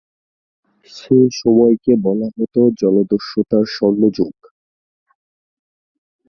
সে সময়কে বলা হত জলদস্যুতার স্বর্ণযুগ।